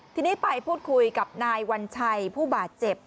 ทีนี้ไปพูดคุยกับนายวัญชัยผู้บาดเจ็บ